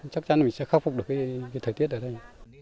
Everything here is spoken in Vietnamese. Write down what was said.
chắc chắn mình sẽ khắc phục được cái thời tiết ở đây